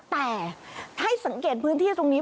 แต่ถ้าสังเกตพื้นที่ตรงนี้